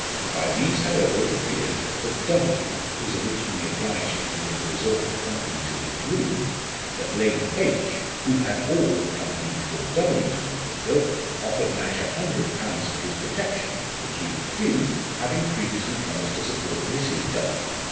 By these however it appeared, that W was originally obliged to him for the resort of company to his room ; that Lady H., who had all the company before "W 's room was built, offered Nash a hundred pounds for his protection ; which he refused, having previously promised to support Mrs. "W